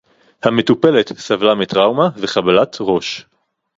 המטופלת סבלה מטראומה וחבלת ראש